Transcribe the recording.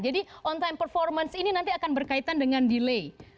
jadi on time performance ini nanti akan berkaitan dengan delay